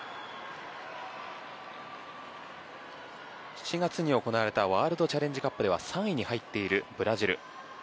７月に行われたワールドチャレンジカップでは３位に入っているブラジル。